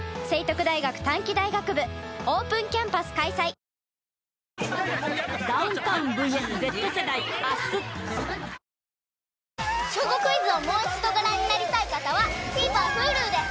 ここまで半分正解『小５クイズ』をもう一度ご覧になりたい方はＴＶｅｒＨｕｌｕで！